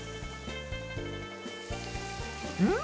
うん！